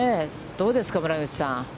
どうですか、村口さん。